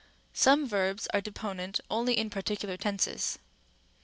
Some verbs are deponent only in particular tenses.